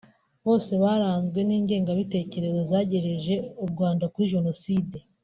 Bose baranzwe n’ingengabitekerezo zagejeje u Rwanda kuri Jenoside